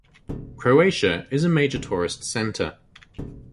Croatia is a major tourist centre.